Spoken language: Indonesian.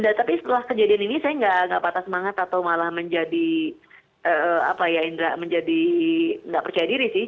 nah tapi setelah kejadian ini saya nggak patah semangat atau malah menjadi apa ya indra menjadi nggak percaya diri sih